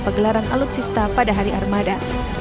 pegelaran alutsista pada hari armada